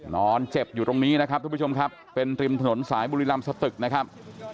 นอนเจ็บอยู่ตรงนี้นะครับทุกผู้ชมครับเป็นริมถนนสายบุรีรำสตึกนะครับ